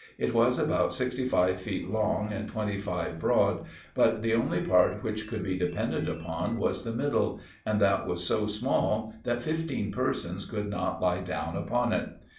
It was about sixty five feet long and twenty five broad, but the only part which could be depended upon was the middle; and that was so small, that fifteen persons could not lie down upon it.